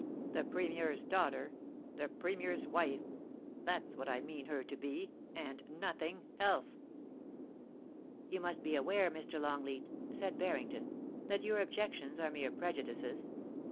The Premier's daughter — the Premier's w^ife — that's what I mean her to be, and nothing else.' *You must be aware, Mr. Longleat,' said Barrington, *that your objections are mere prejudices.